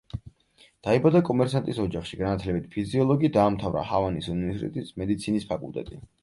დაიბადა კომერსანტის ოჯახში, განათლებით ფიზიოლოგი, დაამთავრა ჰავანის უნივერსიტეტის მედიცინის ფაკულტეტი.